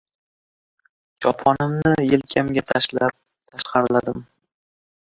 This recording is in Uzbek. Choponimni yelkamga tashlab, tashqariladim.